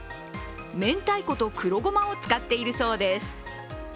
明太子と黒ごまを使っているそうです。